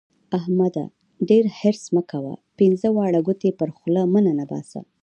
احمده! ډېر حرص مه کوه؛ پينځه واړه ګوتې پر خوله مه ننباسه.